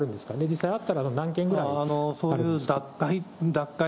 実際あったら何件ぐらいあるんですか。